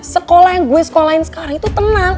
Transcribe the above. sekolah yang gue sekolahin sekarang itu tenang